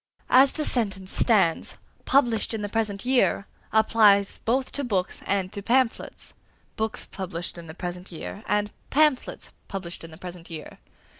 As the sentence stands, "published in the present year" applies both to books and to pamphlets: books published in the present year, and pamphlets published in the present year.